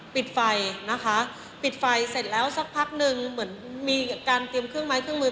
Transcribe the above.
ปิดไฟนะคะปิดไฟเสร็จแล้วสักพักหนึ่งเหมือนมีการเตรียมเครื่องไม้เครื่องมือ